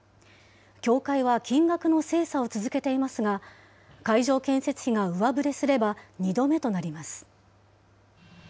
協会は金額の精査を続けていますが、会場建設費が上振れすれば２度目となります。